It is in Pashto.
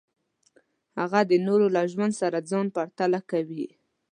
هغه د نورو له ژوند سره ځان پرتله کوي.